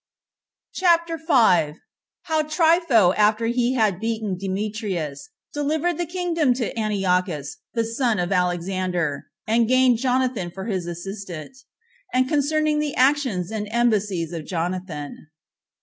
CHAPTER 5. How Trypho After He Had Beaten Demetrius Delivered The Kingdom To Antiochus The Son Of Alexander, And Gained Jonathan For His Assistant; And Concerning The Actions And Embassies Of Jonathan.